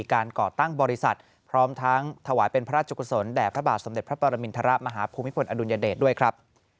ก่อตั้งบริษัทพร้อมทั้งถวายเป็นพระราชกุศลแด่พระบาทสมเด็จพระปรมินทรมาฮภูมิพลอดุลยเดชด้วยครับ